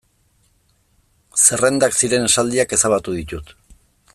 Zerrendak ziren esaldiak ezabatu ditut.